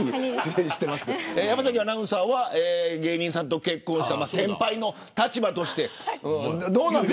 山崎アナウンサーは芸人さんと結婚した先輩の立場として、どうなの。